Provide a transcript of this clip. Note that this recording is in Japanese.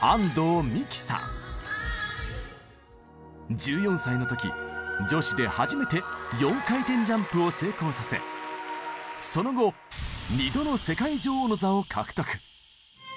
１４歳の時女子で初めて４回転ジャンプを成功させその後２度の世界女王の座を獲得！